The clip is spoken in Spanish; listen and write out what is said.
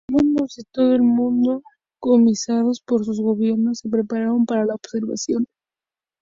Astrónomos de todo el mundo, comisionados por sus gobiernos, se prepararon para la observación.